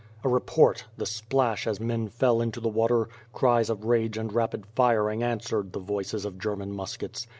A report! The splash as men fell into the water, cries of rage and rapid firing answered the voices of German muskets.